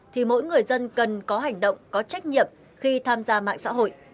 thì mỗi người dân cần có hành động có trách nhiệm khi tham gia mạng xã hội